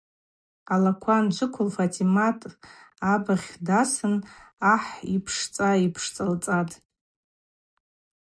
Алаква анджвыквыл Фатӏимат абыгъь дасын ахӏ йыпшцӏа йпшцӏалцатӏ.